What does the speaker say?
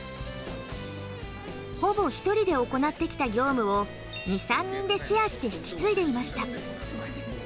ほぼ１人で行ってきた業務を２３人でシェアして引き継いでいました。